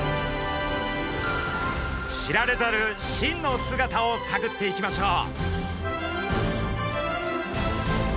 知られざる真の姿をさぐっていきましょう！